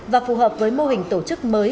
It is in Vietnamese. và phù hợp với mô hình tổ chức mới